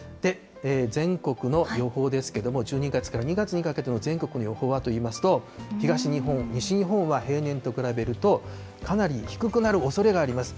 全国の予報ですけども、１２月から２月にかけての全国の予報はといいますと、東日本、西日本は平年と比べるとかなり低くなるおそれがあります。